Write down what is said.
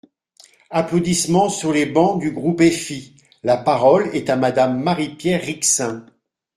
(Applaudissements sur les bancs du groupe FI.) La parole est à Madame Marie-Pierre Rixain.